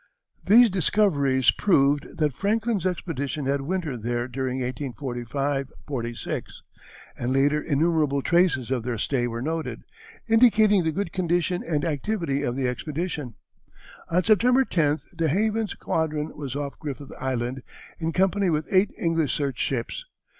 These discoveries proved that Franklin's expedition had wintered there during 1845 46, and later innumerable traces of their stay were noted, indicating the good condition and activity of the expedition. On September 10th DeHaven's squadron was off Griffith Island in company with eight English search ships.